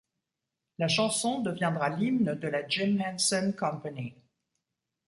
La chanson deviendra l'hymne de la Jim Henson Company.